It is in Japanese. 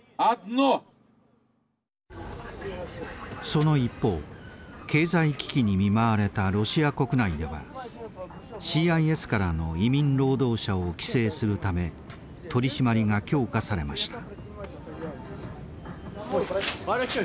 その一方経済危機に見舞われたロシア国内ではＣＩＳからの移民労働者を規制するため取締りが強化されました。